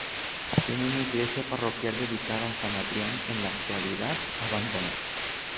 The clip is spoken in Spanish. Tiene una iglesia parroquial dedicada a San Adrián, en la actualidad abandonada.